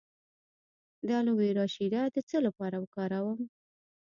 د الوویرا شیره د څه لپاره وکاروم؟